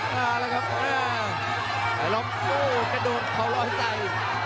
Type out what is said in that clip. มาแล้วครับได้ล้อมกระดูกเขาล้อใส่